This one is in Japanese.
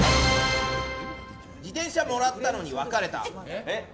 自転車もらったのに別れた。